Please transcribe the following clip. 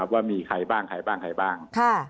ว่ามีใครบ้างใครบ้างใครบ้าง